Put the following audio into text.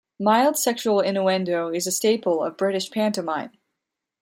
Mild sexual innuendo is a staple of British pantomime.